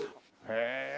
へえ。